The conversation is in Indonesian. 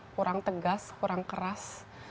kurang tegas kurang keras